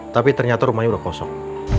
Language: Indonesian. tapi ternyata rumahnya sudah kosong